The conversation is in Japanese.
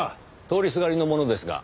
通りすがりの者ですが。